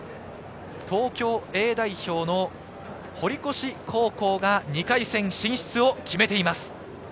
東京Ａ代表の堀越高校が２回戦進出を決めています。